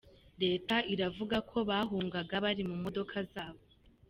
Leta iravuga ko bahungaga bari mu modoka zabo.